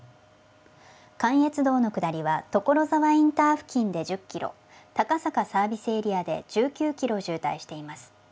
関越道の下りは、所沢インターチェンジ付近で１０キロ、高坂サービスエリアで１９キロ渋滞しています。